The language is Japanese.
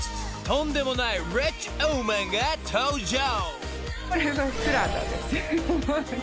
とんでもないリッチウーマンが登場］